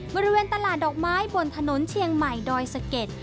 บริเวณตลาดดอกไม้บนถนนเชียงใหม่ดอยสะเก็ด